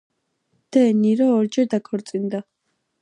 დე ნირო ორჯერ დაქორწინდა.